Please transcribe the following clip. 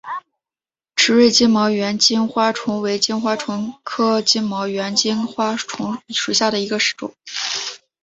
池端金毛猿金花虫为金花虫科金毛猿金花虫属下的一个种。